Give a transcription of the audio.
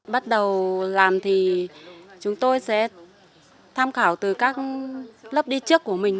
bắt đầu làm thì chúng tôi sẽ tham khảo từ các lớp đi trước của mình